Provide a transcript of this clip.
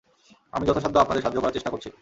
আমি যথাসাধ্য আপনাদের সাহায্য করার চেষ্টা করছি।